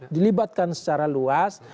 dilibatkan secara luas